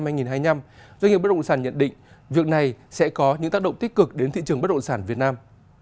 doanh nghiệp bất động sản nhận định việc này sẽ có những tác động tích cực đến thị trường bất động sản việt nam